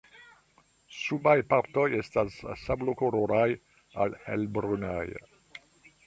Subaj partoj estas sablokoloraj al helbrunaj.